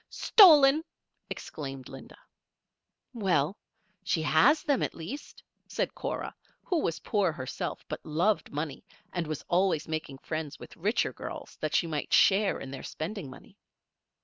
"Stolen!" exclaimed Linda. "Well, she has them, at least," said Cora, who was poor herself but loved money, and was always making friends with richer girls that she might share in their spending money.